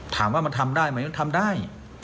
ถามว่ามันทำได้ไหมมันทำได้